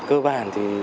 cơ bản thì